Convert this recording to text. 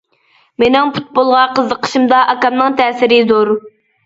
مېنىڭ پۇتبولغا قىزىقىشىمدا ئاكامنىڭ تەسىرى زور.